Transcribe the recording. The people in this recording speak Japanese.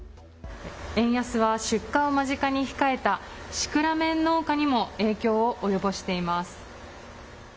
円安は出荷を間近に控えたシクラメン農家にも影響を及ぼしています。